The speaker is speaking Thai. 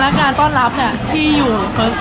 งานต้อนรับเนี่ยที่อยู่